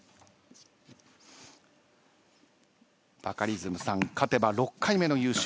バカリズムさん勝てば６回目の優勝。